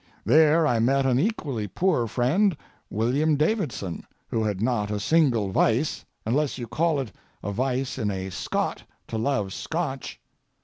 There I met an equally poor friend, William Davidson, who had not a single vice, unless you call it a vice in a Scot to love Scotch.